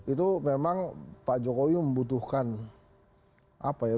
itu memang pak jokowi membutuhkan apa ya